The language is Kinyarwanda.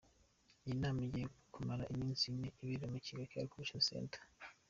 Iyi nama igiye kumara iminsi ine ibera muri Kigali Convention Centre.